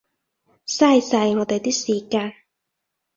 嘥晒我哋啲時間